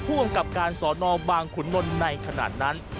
ร่วมกับการสนบางขุนนลในขณะนั้น